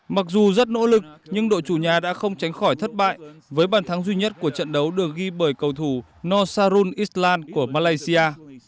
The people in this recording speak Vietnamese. mặc dù rất nỗ lực nhưng đội chủ nhà đã không tránh khỏi thất bại với bàn thắng duy nhất của trận đấu được ghi bởi cầu thủ nosa run islan của malaysia